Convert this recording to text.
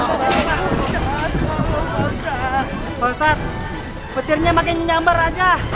ustaz petirnya makin menyambar aja